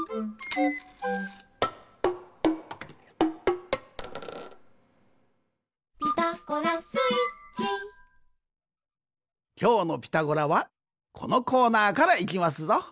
きょうの「ピタゴラ」はこのコーナーからいきますぞ。